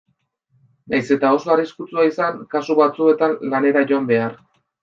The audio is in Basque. Nahiz eta oso arriskutsua izan kasu batzuetan lanera joan behar.